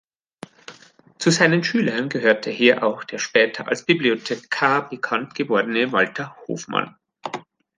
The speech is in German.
Zu seinen Schülern gehörte hier auch der später als Bibliothekar bekannt gewordene Walter Hofmann.